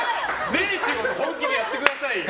全仕事本気でやってくださいよ。